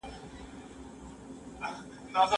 هغه د خرما په خوړلو بوخت دی.